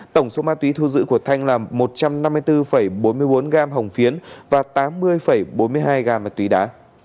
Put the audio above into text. tổng số ma túy thu giữ của thanh là một trăm năm mươi bốn bốn mươi bốn gam hồng phiến và tám mươi bốn mươi hai gam ma túy đá